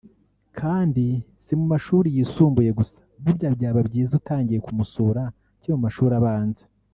Kandi si mu mashuri yisumbuye gusa burya byaba byiza utangiye kumusura akiri mu mashuri abanza